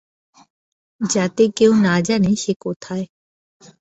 যাতে কেউ না জানে সে কোথায়।